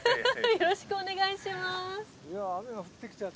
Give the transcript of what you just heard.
よろしくお願いします。